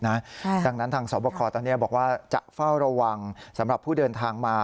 ดังนั้นทางสวบคตอนนี้บอกว่าจะเฝ้าระวังสำหรับผู้เดินทางมา